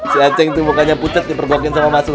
si aceng tuh mukanya pucat dipergokin sama mas suha